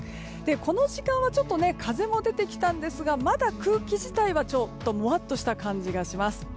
この時間はちょっと風も出てきたんですがまだ空気自体はちょっともわっとした感じがします。